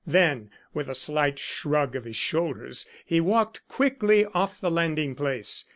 Then, with a slight shrug of his shoulders, he walked quickly off the landing place.